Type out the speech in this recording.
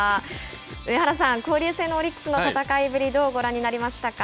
上原さん、交流戦のオリックスの戦いぶりどうご覧になりましたか。